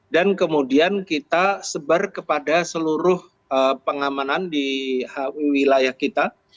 dan kemudian kita sebar kepada seluruh pengamanan di wilayah kita